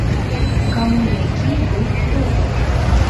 Каму які быў клопат?